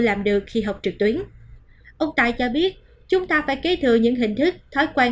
làm được khi học trực tuyến ông tài cho biết chúng ta phải kế thừa những hình thức thói quen